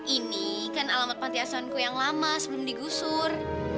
ini kan alamat panti asuhanku yang lama sebelum digusur